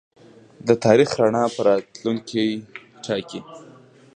د تاریخ رڼا راتلونکی ټاکي.